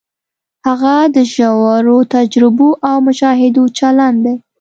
هغه د ژورو تجربو او مشاهدو چلن دی.